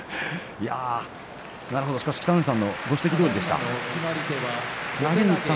北の富士さんのご指摘どおりでした。